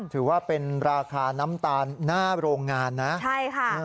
ถือว่าเป็นราคาน้ำตาลหน้าโรงงานนะใช่ค่ะ